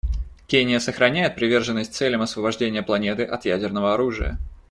Кения сохраняет приверженность целям освобождения планеты от ядерного оружия.